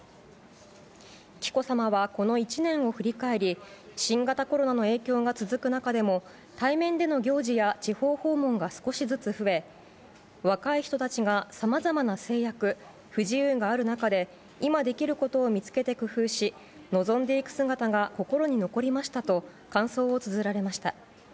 紀子さまは、この１年を振り返り、新型コロナの影響が続く中でも、対面での行事や地方訪問が少しずつ増え、若い人たちがさまざまな制約・不自由がある中で、今できることを見つけて工夫し、のぞんでいく姿が心に残りましたと、感想をつづられました。